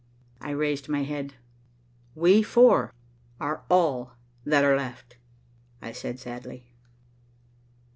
I raised my head. "We four are all that are left," I said sadly.